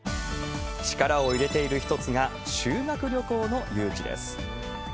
力を入れている一つが、修学旅行の誘致です。